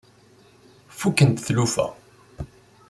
Fukkent tlufa.